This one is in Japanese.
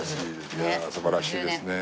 いや素晴らしいですね。